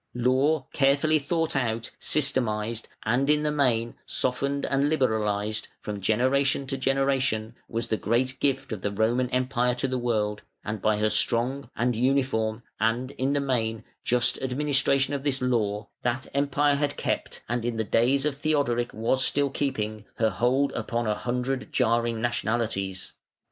] Law carefully thought out, systematised, and in the main softened and liberalised, from generation to generation, was the great gift of the Roman Empire to the world, and by her strong, and uniform, and, in the main, just administration of this law, that Empire had kept, and in the days of Theodoric was still keeping, her hold upon a hundred jarring nationalities.